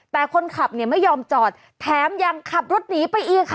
แต่คนขับเนี่ยไม่ยอมจอดแถมยังขับรถหนีไปอีกค่ะ